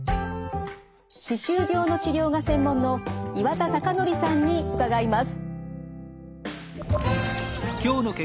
歯周病の治療が専門の岩田隆紀さんに伺います。